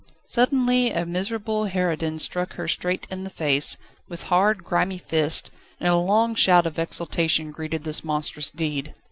Suddenly a miserable harridan struck her straight in the face, with hard, grimy fist, and a long shout of exultation greeted this monstrous deed.